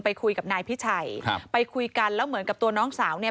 ไปคุยกับนายพิชัยครับไปคุยกันแล้วเหมือนกับตัวน้องสาวเนี่ย